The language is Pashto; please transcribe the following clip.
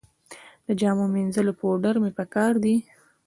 د جامو مینځلو پوډر مې په کار دي